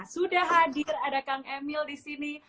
sudah hadir ada kang emil disini